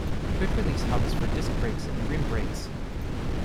Quick release hubs for disc brakes and rim brakes.